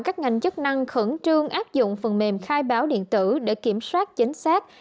các ngành chức năng khẩn trương áp dụng phần mềm khai báo điện tử để kiểm soát chính xác